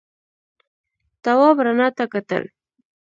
تواب رڼا ته کتل.